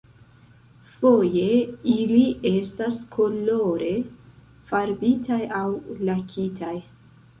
Foje ili estas kolore farbitaj aŭ lakitaj.